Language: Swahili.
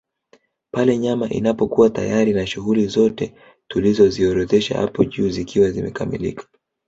Pale nyama inapokuwa tayari na shughuli zote tulizoziorodhesha hapo juu zikiwa zimekamilika